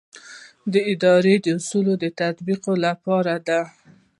دا د اداري اصولو د تطبیق لپاره دی.